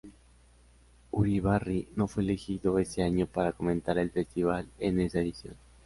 Uribarri no fue elegido ese año para comentar el festival en esa edición.